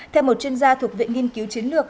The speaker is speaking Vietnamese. theo một chuyên gia thuộc viện nghiên cứu chiến lược